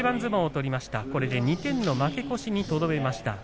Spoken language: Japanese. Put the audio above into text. これで２点の負け越しにとどめました。